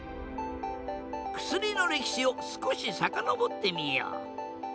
薬の歴史を少し遡ってみよう。